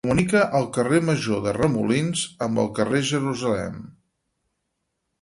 Comunica el Carrer Major de Remolins amb el carrer Jerusalem.